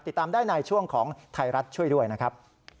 ติดตามได้ในช่วงของไทยรัฐช่วยด้วยนะครับ